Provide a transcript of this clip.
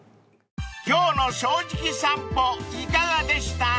［今日の『正直さんぽ』いかがでした？］